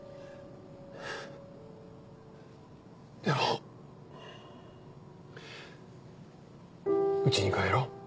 でもうちに帰ろう。